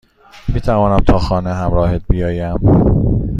میتوانم تا خانه همراهت بیایم؟